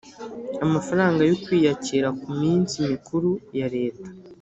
Amafaranga yo kwiyakira ku minsi mikuru ya Leta